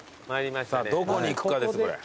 どこに行くかですよこれ。